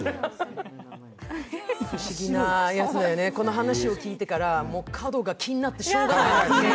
この話を聞いてから角が気になってしようがない。